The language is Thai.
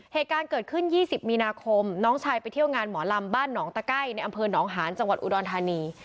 เหตุการณ์เกิดขึ้น๒๐มีนาคมน้องชายไปเที่ยวงานหมอลำบ้านหนองตะไก้ในอำเภอหนองหาญจังหวัดอุดรธานี